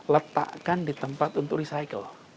letakkan di tempat untuk recycle